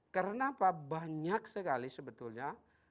karena banyak sekali sebetulnya